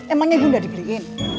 emangnya ibu gak dibeliin